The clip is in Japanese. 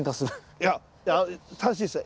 いや正しいですね。